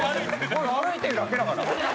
「俺歩いてるだけだから。